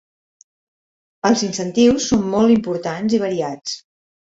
Els incentius són molts, importants i variats.